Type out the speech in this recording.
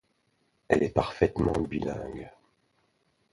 Elle est parfaitement bilingue.